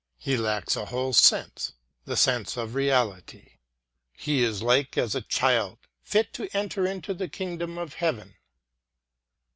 "He lacks a whole sense, the sense of reality." He is like as a child, fit to enter into the Kingdom of BEYOND HUMAN POWER 115 Heaven.